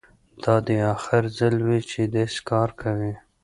دا دې اخر ځل وي چې داسې کار کوې